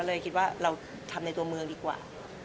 เลยคิดว่าเราทำในตัวเมืองดีกว่า